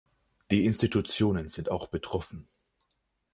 Die Institutionen sind auch betroffen.